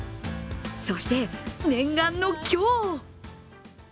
そして念願の今日。